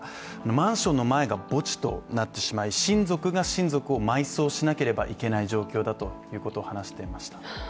マンションの前が墓地となってしまい親族が親族を埋葬しなければいけない状況だということを話していました。